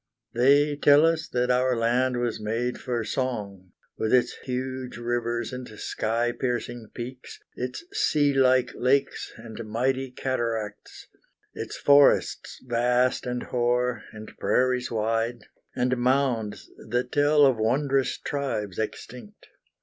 They tell us that our land was made for song, With its huge rivers and sky piercing peaks, Its sea like lakes and mighty cataracts, Its forests vast and hoar, and prairies wide, And mounds that tell of wondrous tribes extinct.